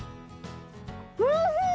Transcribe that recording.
おいしい！